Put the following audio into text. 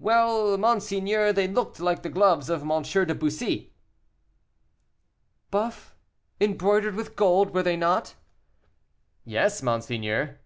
"Well, monseigneur, they looked like the gloves of M. de Bussy." "Buff, embroidered with gold, were they not?" "Yes, monseigneur."